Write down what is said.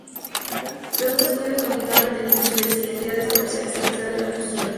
Los dos estudios continúan reteniendo sus identidades comerciales a pesar de la fusión.